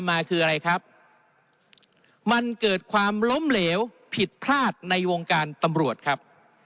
มาคืออะไรครับมันเกิดความล้มเหลวผิดพลาดในวงการตำรวจครับ